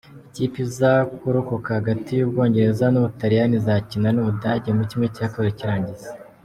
Ikipe iza kurokoka hagati y’Ubwongereza n’Ubutaliyani, izakina n’Ubudage muri ½ cy’irangiza.